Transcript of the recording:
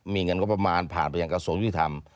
มีเงินกับประมาณผ่านไปอย่างกระโสนวิทยธรรม